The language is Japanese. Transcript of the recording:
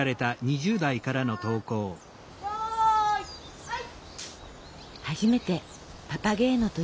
よいはい！